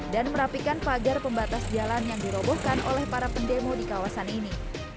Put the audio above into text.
merapikan pagar pembatas jalan yang dirobohkan oleh para pendemo di kawasan ini